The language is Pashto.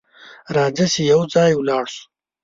راځه چې یو ځای ولاړ سو!